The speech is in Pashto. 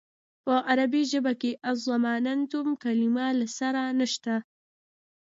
په عربي ژبه کې اظماننتم کلمه له سره نشته.